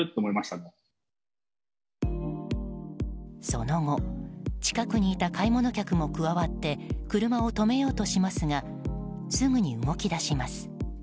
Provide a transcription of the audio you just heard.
その後近くにいた買い物客も加わって車を止めようとしますがすぐに動き出します。